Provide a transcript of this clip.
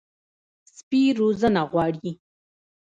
سپي روزنه غواړي.